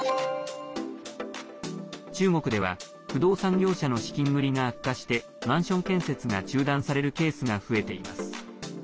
中国では不動産業者の資金繰りが悪化してマンション建設が中断されるケースが増えています。